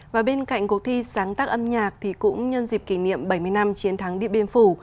và bên cạnh cuộc thi sáng tác âm nhạc thì cũng nhân dịp kỷ niệm bảy mươi năm chiến thắng điện biên phủ